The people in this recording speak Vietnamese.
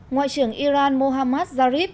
ngoại trưởng iran mohammad zarif